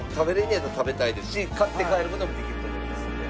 やったら食べたいですし買って帰る事もできると思いますんで。